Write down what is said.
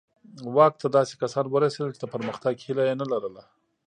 واک ته داسې کسان ورسېدل چې د پرمختګ هیله یې نه لرله.